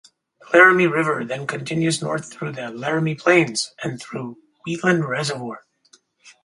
The Laramie River then continues north through the Laramie Plains and through Wheatland Reservoir.